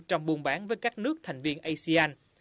trong buôn bán với các nước thành viên asean